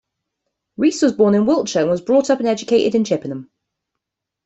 Rees was born in Wiltshire and was brought up and educated in Chippenham.